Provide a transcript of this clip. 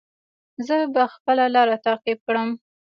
زه به خپله لاره تعقیب کړم.